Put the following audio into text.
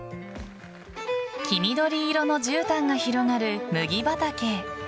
黄緑色のじゅうたんが広がる麦畑。